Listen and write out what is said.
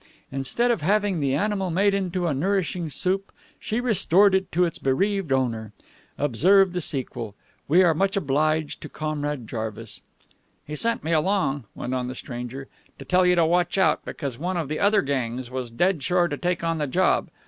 Instead of having the animal made into a nourishing soup, she restored it to its bereaved owner. Observe the sequel. We are very much obliged to Comrade Jarvis." "He sent me along," went on the stranger, "to tell you to watch out, because one of the other gangs was dead sure to take on the job.